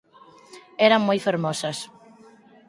Eran moi fermosas.